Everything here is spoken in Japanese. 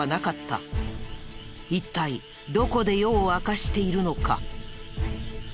一体どこで夜を明かしているのか？